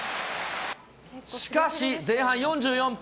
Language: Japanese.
しかし前半４４分。